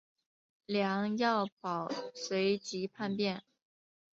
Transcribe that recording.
梁耀宝随即叛变。